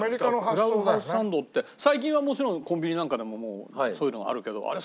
クラブハウスサンドって最近はもちろんコンビニなんかでももうそういうのがあるけどあれ